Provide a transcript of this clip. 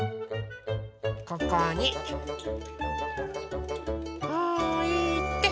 ここにおいて。